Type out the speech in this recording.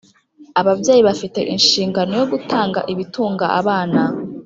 Ababyeyi bafite inshingano yo gutanga ibitunga abana